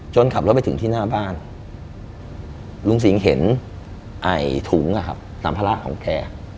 จนขับรถไปถึงที่หน้าบ้านลุงสิงศ์เห็นไอถุงสามพระราชของแก